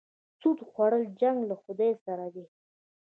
سود خوړل جنګ له خدای سره دی.